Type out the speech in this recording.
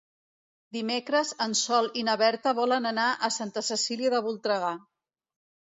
Dimecres en Sol i na Berta volen anar a Santa Cecília de Voltregà.